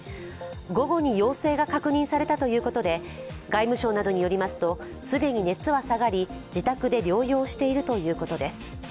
午後に陽性が確認されたということで、外務省などによりますと既に熱は下がり、自宅で療養しているということです。